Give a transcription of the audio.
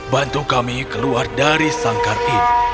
bantu kami keluar dari sangkar ini